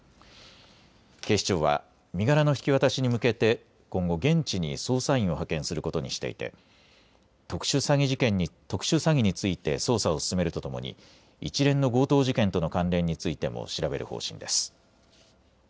警視庁は身柄の引き渡しに向けて今後、現地に捜査員を派遣することにしていて特殊詐欺について捜査を進めるとともに一連の強盗事件との関連についても調べる方針です。